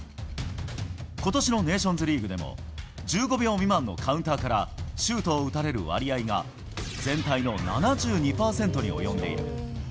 ことしのネーションズリーグでも、１５秒未満のカウンターからシュートを打たれる割合が全体の７２％に及んでいる。